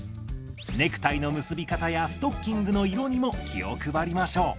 ネクタイの結び方やストッキングの色にも気を配りましょう。